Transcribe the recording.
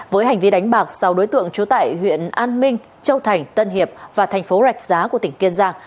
với hành vi đánh bạc sau đối tượng trú tại huyện an minh châu thành tân hiệp và thành phố rạch giá của tỉnh kiên giang